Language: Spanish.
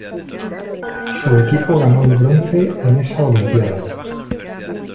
Su equipo ganó el bronce en esa Olimpiada.